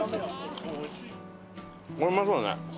これうまそうだね。